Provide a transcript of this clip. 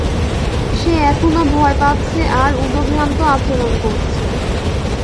সে এখনো ভয় পাচ্ছে আর উদভ্রান্ত আচরণ করছে।